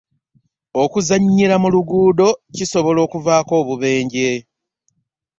Okuzannyira mu luguudo kisobola okuvaako obubenje.